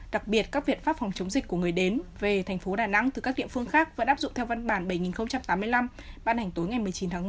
đặc biệt các viện pháp phòng chống dịch của người đến về tp đà nẵng từ các địa phương khác vẫn áp dụng theo văn bản bảy nghìn tám mươi năm ban hành tối ngày một mươi chín một mươi